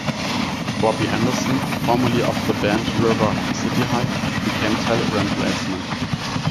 Bobby Anderson, formerly of the band River City High, became Tell remplacement.